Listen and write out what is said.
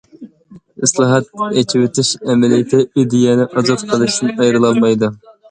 ئىسلاھات، ئېچىۋېتىش ئەمەلىيىتى ئىدىيەنى ئازاد قىلىشتىن ئايرىلالمايدۇ.